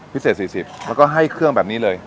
พิเศษ๔๐แล้วก็ให้เครื่องแบบนี้เลย